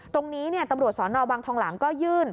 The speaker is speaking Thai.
ตรงนี้ตำรวจสนวังทองหลังก็ยื่น